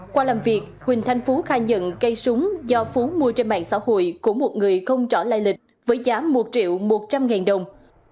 qua làm việc huỳnh thanh phú khai nhận cây súng do phú mua trên mạng xã hội của một người không rõ lai lịch với giá một triệu một trăm linh ngàn đồng